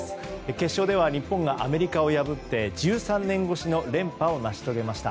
決勝では日本がアメリカを破って１３年越しの連覇を成し遂げました。